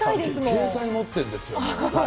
携帯持ってるんだよ。